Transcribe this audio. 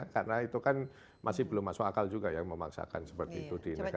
karena itu kan masih belum masuk akal juga yang memaksakan seperti itu di negara kita